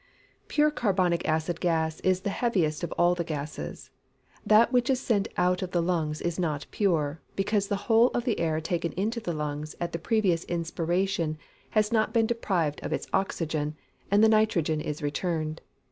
_ Pure carbonic acid gas is the heaviest of all the gases. That which is sent out of the lungs is not pure, because the whole of the air taken into the lungs at the previous inspiration has not been deprived of its oxygen, and the nitrogen is returned.